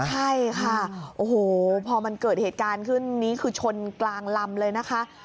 ใช่ค่ะโอ้โหพอมันเกิดเหตุการณ์ขึ้นนี้คือชนกลางลำเลยนะคะ